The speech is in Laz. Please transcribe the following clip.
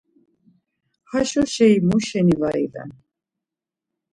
Haşo şei muşeni var iven!